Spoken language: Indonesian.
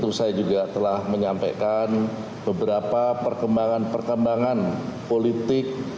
saya juga telah menyampaikan beberapa perkembangan perkembangan politik